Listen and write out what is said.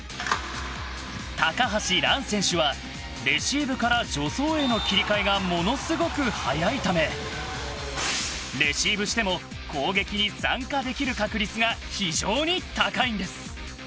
高橋藍選手はレシーブから助走への切り替えがものすごく早いためレシーブしても攻撃に参加できる確率が非常に高いんです。